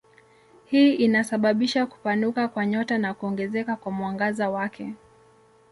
Hii inasababisha kupanuka kwa nyota na kuongezeka kwa mwangaza wake.